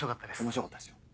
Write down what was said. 面白かったですよ。